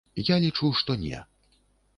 Я лічу, што не.